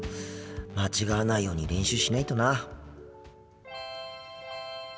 間違わないように練習しないとな。